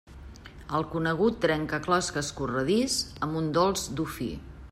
El conegut trencaclosques corredís amb un dolç Dofí.